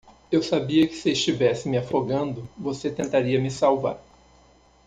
Eu sabia que se estivesse me afogando, você tentaria me salvar.